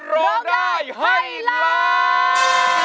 ร้องได้ให้ล้าน